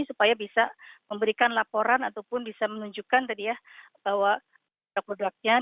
supaya bisa memberikan laporan ataupun bisa menunjukkan tadi ya bahwa produk produknya